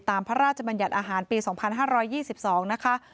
พระราชบัญญัติอาหารปี๒๕๒๒นะคะ